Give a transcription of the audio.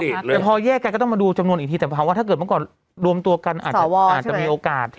แต่พอแยกกันก็ต้องมาดูจำนวนอีกทีแต่ภาวะถ้าเกิดเมื่อก่อนรวมตัวกันอาจจะมีโอกาส